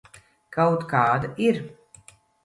Kaut kāda ir.